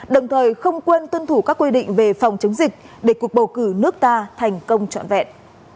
đồng thời không quân tuân thủ các quy định về phòng chống dịch để cuộc bầu cử nước ta thành công trọn vẹn